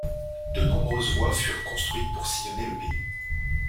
De nombreuses voies furent construites pour sillonner le pays.